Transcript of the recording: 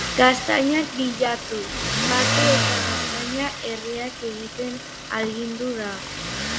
Gaztainak bilatu, batu eta gaztaina erreak egiten ahalegindu da.